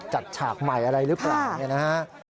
จัดฉากใหม่อะไรหรือเปล่าอย่างนี้นะฮะ